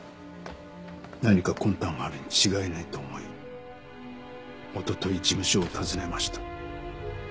何か魂胆があるに違いないと思いおととい事務所を訪ねました。